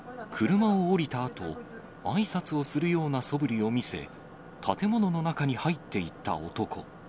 車を降りたあと、あいさつをするようなそぶりを見せ、建物の中に入っていった男。